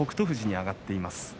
富士に上がっています。